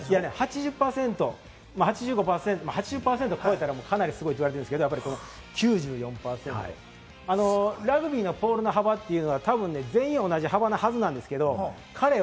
８０％、８５％、８０％を超えたらすごいと言われるんですけれども、これ９４％、ラグビーのポールの幅というのは、全員、同じ幅のはずなんですけれども。